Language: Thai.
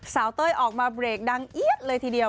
เต้ยออกมาเบรกดังเอี๊ยดเลยทีเดียว